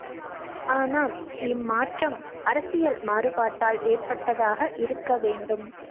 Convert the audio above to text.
ஆனால் இம் மாற்றம் அரசியல் மாறுபாட்டால் ஏற்பட்டதாக இருக்க வேண்டும்.